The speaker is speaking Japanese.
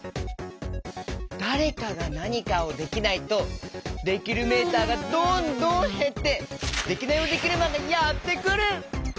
だれかがなにかをできないとできるメーターがどんどんへってデキナイヲデキルマンがやってくる！